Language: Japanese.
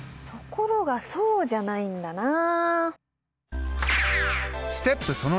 ところがそうじゃないんだな。